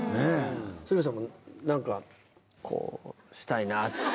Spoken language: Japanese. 鶴瓶さんも何かこうしたいなって。